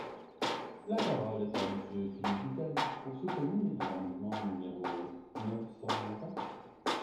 La parole est à Monsieur Philippe Vitel, pour soutenir l’amendement numéro neuf cent vingt.